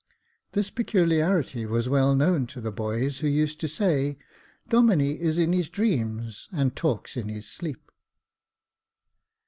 This peculiarity was well known to the boys, who used to say, "Domine is in his dreams, and talks in his sleep."